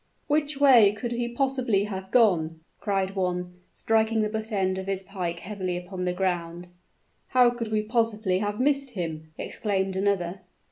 "Which way could he possibly have gone?" cried one, striking the butt end of his pike heavily upon the ground. "How could we possibly have missed him?" exclaimed another.